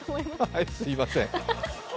はい、すみません。